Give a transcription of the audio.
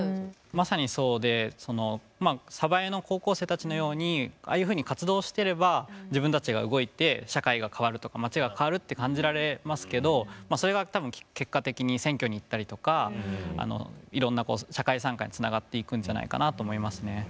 まさにそうで鯖江の高校生たちのようにああいうふうに活動してれば自分たちが動いて社会が変わるとか町が変わるって感じられますけどそれが多分、結果的に選挙に行ったりとかいろんな社会参加につながっていくんじゃないかなと思いますね。